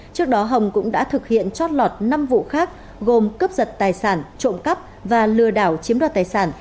trước đó hồng cũng đã thực hiện chót lọt năm vụ khác gồm cướp giật tài sản trộm cắp và lừa đảo chiếm đoạt tài sản